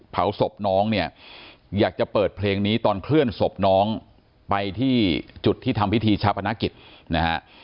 เผาศพน้องเนี่ยอยากจะเปิดเพลงนี้ตอนเคลื่อนศพน้องไปที่จุดที่ทำพิธีชาปนกิจนะฮะ